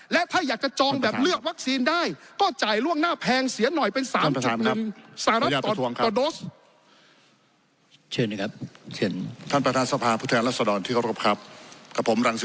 และถ้าอยากจะจองแบบเลือกวัคซีนได้ก็จ่ายล่วงหน้าแพงเสียหน่อยเป็น๓๑สหรัฐต่อโดส